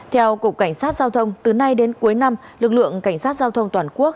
theo cục cảnh sát giao thông từ nay đến cuối năm lực lượng cảnh sát giao thông toàn quốc